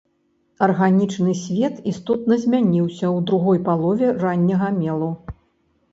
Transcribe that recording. Арганічны свет істотна змяніўся ў другой палове ранняга мелу.